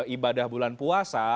ibadah bulan puasa